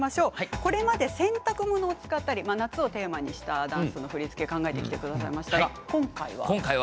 これまで洗濯物を使ったり夏をテーマにした振り付けを考えてくださいましたが今回は。